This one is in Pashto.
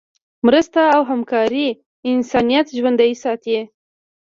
مرسته او همکاري انسانیت ژوندی ساتي.